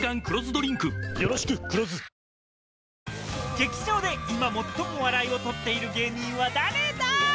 劇場で今、最も笑いを取っている芸人は誰だ。